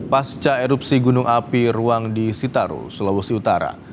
pasca erupsi gunung api ruang di sitaro sulawesi utara